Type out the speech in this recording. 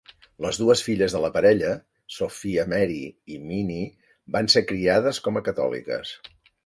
Les dues filles de la parella, Sophia Mary i Minnie, van ser criades com a catòliques.